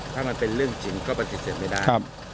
ถ้ามันเป็นเรื่องจริงก็ปฏิเสธไม่ได้